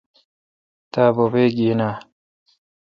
تا بوبے گین اے۔